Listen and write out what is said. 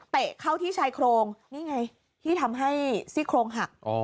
เข้าที่ชายโครงนี่ไงที่ทำให้ซี่โครงหัก